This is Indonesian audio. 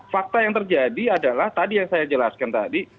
jadi apa yang terjadi adalah tadi yang saya jelaskan tadi